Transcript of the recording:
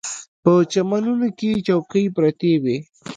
په چمنونو کې چوکۍ پرتې وې.